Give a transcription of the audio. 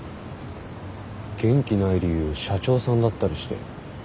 元気ない理由社長さんだったりして。